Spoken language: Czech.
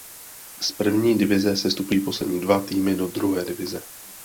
Z první divize sestupují poslední dva týmy do druhé divize.